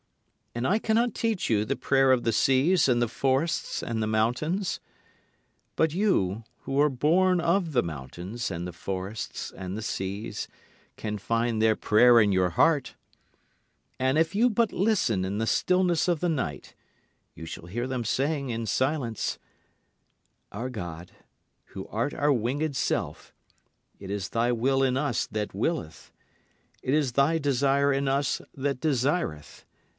And I cannot teach you the prayer of the seas and the forests and the mountains. But you who are born of the mountains and the forests and the seas can find their prayer in your heart, And if you but listen in the stillness of the night you shall hear them saying in silence, "Our God, who art our winged self, it is thy will in us that willeth. It is thy desire in us that desireth.